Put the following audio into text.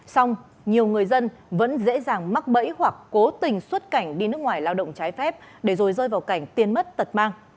xong nhiều người dân vẫn dễ dàng mắc bẫy hoặc cố tình xuất cảnh đi nước ngoài lao động trái phép để rồi rơi vào cảnh tiền mất tật mang